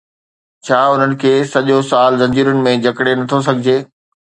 ڇا انهن کي سڄو سال زنجيرن ۾ جڪڙي نٿو سگهجي؟